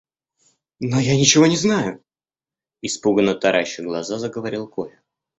– Но я ничего не знаю, – испуганно тараща глаза, заговорил Коля.